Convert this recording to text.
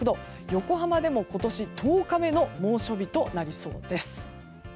横浜でも今年１０日目の猛暑日となりそうです。